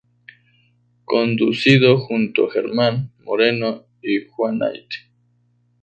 Conducido junto a German Moreno y Juan Nite.